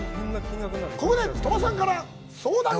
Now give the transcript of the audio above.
ここで、鳥羽さんから相談が！